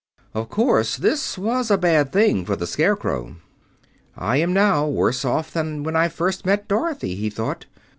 Of course this was a bad thing for the Scarecrow. "I am now worse off than when I first met Dorothy," he thought.